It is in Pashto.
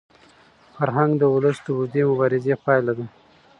فرهنګ د ولس د اوږدې مبارزې پایله ده.